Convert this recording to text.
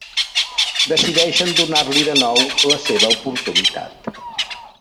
Decideixen donar-li de nou la seva oportunitat.